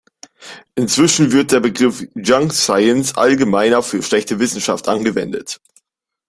Inzwischen wird der Begriff „Junk Science“ allgemeiner für schlechte Wissenschaft angewendet.